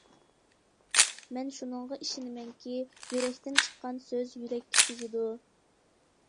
مەن شۇنىڭغا ئىشىنىمەنكى، يۈرەكتىن چىققان سۆز يۈرەككە تېگىدۇ.